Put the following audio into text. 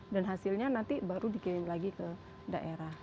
dan hasilnya nanti baru dikirim lagi ke daerah